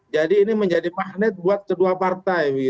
jadi ini menjadi magnet buat kedua partai